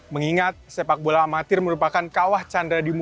mengingat sepak bola amatir merupakan kawah canda di muka pemain